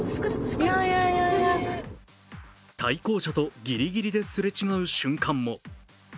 対向車にギリギリですれ違う瞬間も。